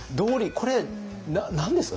これ何ですか？